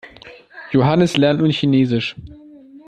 Johannes lernt nun Chinesisch.